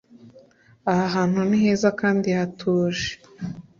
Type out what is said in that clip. Aha hantu ni heza kandi hatuje